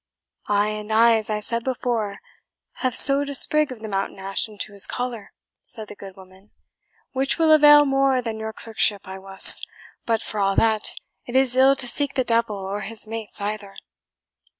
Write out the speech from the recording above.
"Ay, and I, as I said before, have sewed a sprig of the mountain ash into his collar," said the good woman, "which will avail more than your clerkship, I wus; but for all that, it is ill to seek the devil or his mates either."